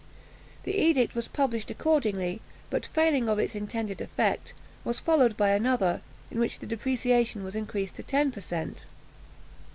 The edict was published accordingly; but failing of its intended effect, was followed by another, in which the depreciation was increased to ten per cent.